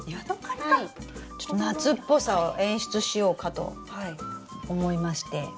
ちょっと夏っぽさを演出しようかと思いまして。